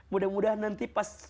mudah mudahan nanti pas